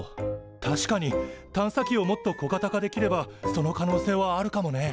確かに探査機をもっと小型化できればその可能性はあるかもね。